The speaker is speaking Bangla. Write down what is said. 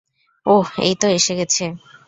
ওহ, এইতো এসে গেছে।